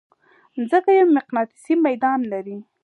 مځکه یو مقناطیسي ميدان لري.